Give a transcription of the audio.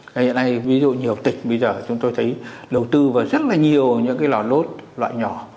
ngày hôm nay ví dụ nhiều tịch bây giờ chúng tôi thấy đầu tư vào rất là nhiều những cái lò lốt loại nhỏ